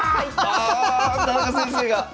あ田中先生が！